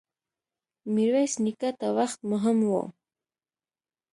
ميرويس نيکه ته وخت مهم و.